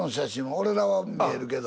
俺らは見えるけど。